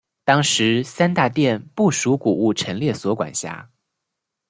当时三大殿不属古物陈列所管辖。